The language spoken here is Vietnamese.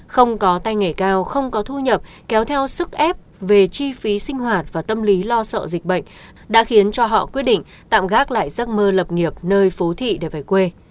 không có tay nghề cao không có thu nhập kéo theo sức ép về chi phí sinh hoạt và tâm lý lo sợ dịch bệnh đã khiến cho họ quyết định tạm gác lại giấc mơ lập nghiệp nơi phố thị để về quê